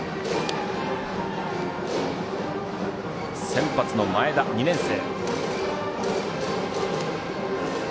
先発の前田、２年生。